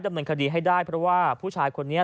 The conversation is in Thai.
ดำเนินคดีให้ได้เพราะว่าผู้ชายคนนี้